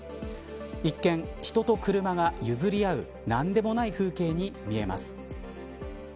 一見、人と車が譲り合う何でもない風景に見えます。